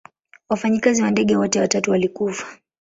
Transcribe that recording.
Wafanyikazi wa ndege wote watatu walikufa.